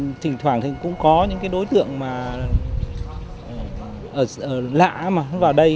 nhưng mà thỉnh thoảng thì cũng có những cái đối tượng mà lạ mà vào đây